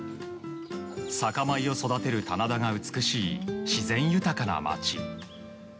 酒米を育てる棚田が美しい自然豊かな町。